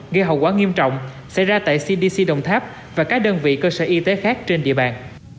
gây hậu quả nghiêm trọng xảy ra tại cdc đồng tháp và các đơn vị cơ sở y tế khác trên địa bàn